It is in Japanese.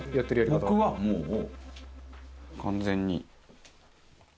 僕はもう完全に。